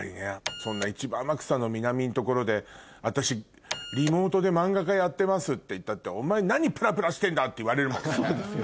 そんな一番天草の南の所で私リモートで漫画家やってますって言ったってお前何プラプラしてんだって言われるもんね？